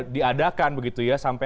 diadakan begitu ya sampai